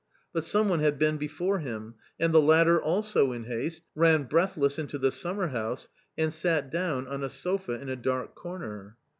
But some one had been before him, and the latter also in haste, ran breathless into the summerhouse and sat down on a sofa in a dark corner.